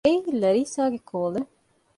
އެއީ ލަރީސާގެ ކޯލެއް